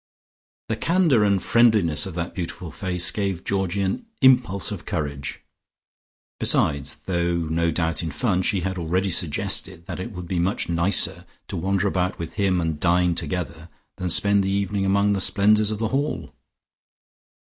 The candour and friendliness of that beautiful face gave Georgie an impulse of courage. Besides, though no doubt in fun, she had already suggested that it would be much nicer to wander about with him and dine together than spend the evening among the splendours of The Hall.